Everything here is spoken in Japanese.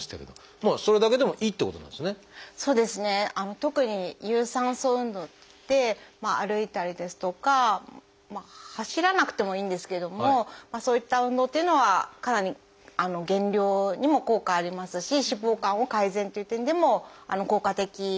特に有酸素運動といって歩いたりですとかまあ走らなくてもいいんですけどもそういった運動というのはかなり減量にも効果ありますし脂肪肝を改善っていう点でも効果的です。